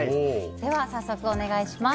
では早速お願いします。